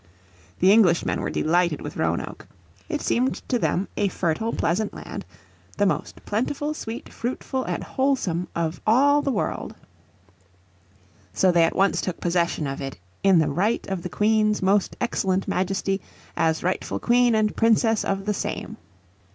The Englishmen were delighted with Roanoke. It seemed to them a fertile, pleasant land, "the most plentiful, sweete, fruitfull and wholesome of all the worlde." So they at once took possession of it "in the right of the Queen's most excellent Majesty as rightful Queen and Princess of the same."